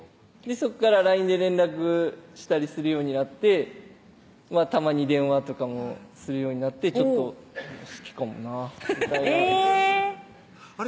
そこからＬＩＮＥで連絡したりするようになってたまに電話とかもするようになってちょっと好きかもなぁみたいなえぇあれ？